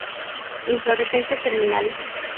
Inflorescencias terminales.